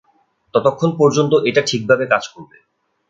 ততক্ষণ পর্যন্ত এটা ঠিকভাবে কাজ করবে।